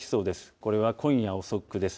これは今夜遅くです。